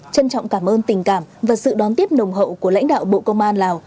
trân trọng cảm ơn tình cảm và sự đón tiếp nồng hậu của lãnh đạo bộ công an lào